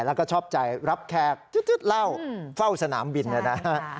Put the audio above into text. แล้วก็ชอบใจรับแคบเล่าเฝ้าสนามบินเลยนะ